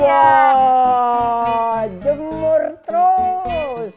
wah jemur terus